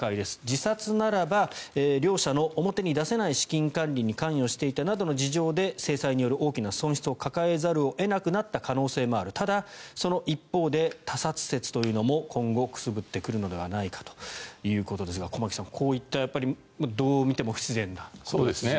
自殺ならば両社の表に出せない資金管理に関与していたなどの事情で制裁による大きな損失を抱えざるを得なくなった可能性もあるただ、その一方で他殺説というのも今後、くすぶってくるのではないかということですが駒木さん、こういったどう見ても不自然なことが。